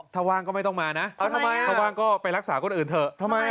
ถ้าว่างก็ไม่ต้องมานะถ้าว่างก็ไปรักษาคนอื่นเถอะทำไม